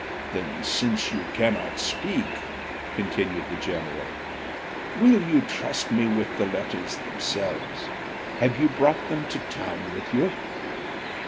"Then since you cannot speak," continued the general, "will you trust me with the letters themselves? Have you brought them to town with you?"